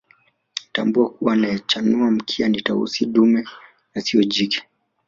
Tambua kuwa anayechanua mkia ni Tausi dume na siyo jike